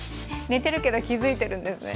寝てるけど気付いてるんですね。